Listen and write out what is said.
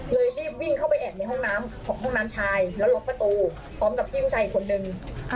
รีบวิ่งเข้าไปแอบในห้องน้ำของห้องน้ำชายแล้วล็อกประตูพร้อมกับพี่ผู้ชายอีกคนนึง